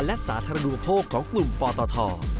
และสาธารณูปโภคของกลุ่มปตท